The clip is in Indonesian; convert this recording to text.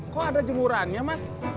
kok ada jemuran ya mas